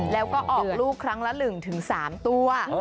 แล้วก็ออกลูกครั้งละ๑๓ตัว